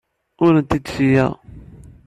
Ur ten-id-ttṣeyyideɣ.